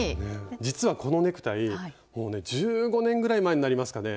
実はこのネクタイもうね１５年ぐらい前になりますかね。